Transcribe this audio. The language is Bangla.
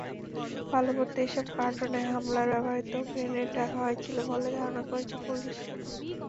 বালুভর্তি এসব কার্টনে হামলায় ব্যবহৃত গ্রেনেড রাখা হয়েছিল বলে ধারণা করছে পুলিশ।